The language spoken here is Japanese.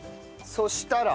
そしたら？